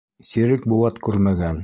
Сирек быуат күрмәгән.